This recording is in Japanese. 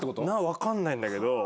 わからないんだけど。